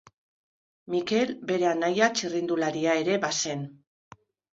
Mikel bere anaia txirrindularia ere bazen.